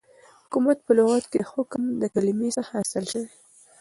حكومت په لغت كې دحكم دكلمې څخه اخيستل سوی